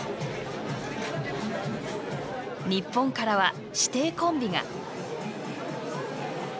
日本からは師弟コンビが。